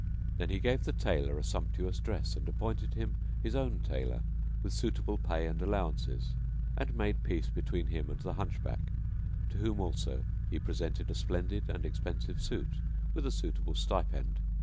Then he gave the Tailor a sumptuous dress and appointed him his own tailor, with suitable pay and allowances; and made peace between him and the Hunchback, to whom also he presented a splendid and expensive suit with a suitable stipend.